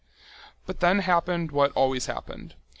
But then happened what always happened.